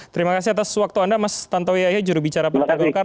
terima kasih atas waktu anda mas tantowi yahya jurubicara partai golkar